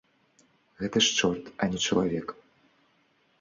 Гэта ж чорт, а не чалавек.